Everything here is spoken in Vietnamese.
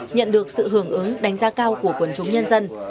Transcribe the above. nhận được sự hưởng ứng đánh giá cao của quần chúng nhân dân